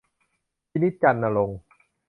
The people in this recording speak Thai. พินิจ จันทร์ณรงค์